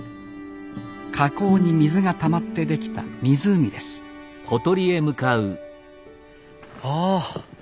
火口に水がたまってできた湖ですああ